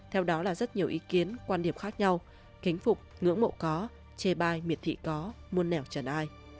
theo đó là rất nhiều ý kiến quan điểm khác nhau kính phục ngưỡng mộ có chê bai miệt thị có muôn nẻo trần ai